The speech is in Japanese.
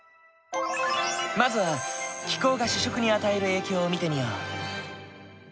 まずは気候が主食に与える影響を見てみよう。